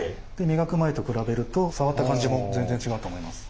磨く前と比べると触った感じも全然違うと思います。